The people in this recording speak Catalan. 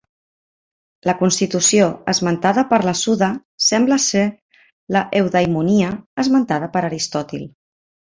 La "constitució" esmentada per la Suda sembla ser la "eudaimonia" esmentada per Aristòtil.